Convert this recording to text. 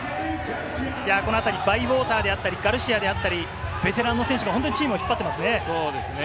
このあたり、バイウォーターであったり、ガルシアであったり、ベテランの選手がチームを引っ張っていますね。